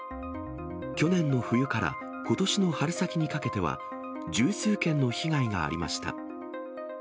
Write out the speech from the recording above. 去年の冬からことしの春先にかけては、十数件の被害がありました。